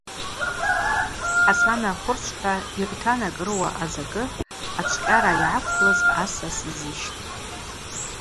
Хӏасана хвырчвхӏва йыгӏвтанакӏ рыуа азакӏы ачвкъьара йгӏаквлыз асас йзищтӏ.